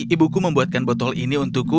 ibuku membuatkan botol ini untukku